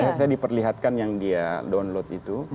jadi saya diperlihatkan yang dia download itu